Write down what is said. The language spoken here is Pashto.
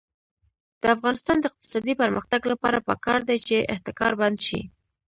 د افغانستان د اقتصادي پرمختګ لپاره پکار ده چې احتکار بند شي.